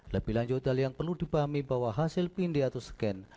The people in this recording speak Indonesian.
lebih lanjut dari yang perlu dipahami bahwa hasil pindih atau scan